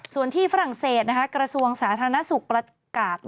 ส่วนที่ฝรั่งเศสกระทรวงสาธารณสุขประกาศ